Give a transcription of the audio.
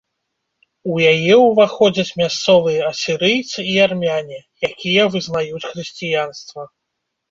У яе ўваходзяць мясцовыя асірыйцы і армяне, якія вызнаюць хрысціянства.